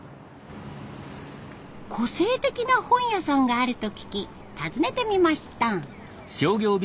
個性的な本屋さんがあると聞き訪ねてみました。